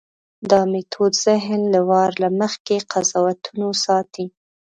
دا میتود ذهن له وار له مخکې قضاوتونو ساتي.